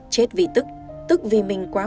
chết vì tức tức vì mình quá ngu